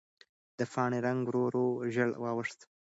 د پاڼې رنګ ورو ورو ژېړ واوښت.